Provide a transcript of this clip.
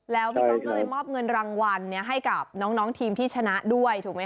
แล้วพี่ก๊อฟก็เลยมอบเงินรางวัลให้กับน้องทีมที่ชนะด้วยถูกไหมค